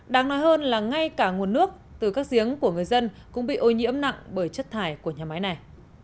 đáng nói hơn là ngay cả nguồn nước từ các giếng của người dân cũng bị ô nhiễm nặng bởi chất thải của nhà máy này